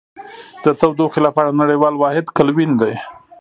د تودوخې لپاره نړیوال واحد کلوین دی.